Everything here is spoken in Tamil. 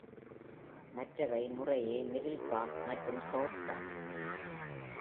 மற்றவவை முறையே Middle Park மற்றும் South Park.